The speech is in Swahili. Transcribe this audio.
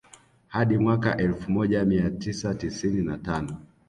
Hadi mwaka elfu moja mia tisa tisini na Tano